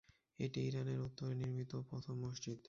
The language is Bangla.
এটি ইরানের উত্তরে নির্মিত প্রথম মসজিদ।